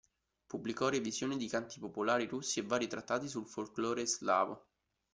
Pubblicò revisioni di canti popolari russi e vari trattati sul folclore slavo.